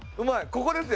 ここですよ。